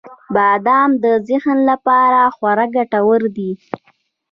• بادام د ذهن لپاره خورا ګټور دی.